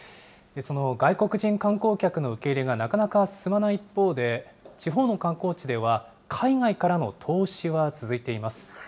その外国人観光客の受け入れがなかなか進まない一方で、地方の観光地では、海外からの投資は続いています。